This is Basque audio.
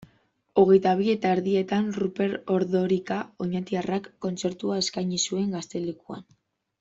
Hogeita bi eta erdietan Ruper Ordorika oñatiarrak kontzertua eskaini zuen Gaztelekuan.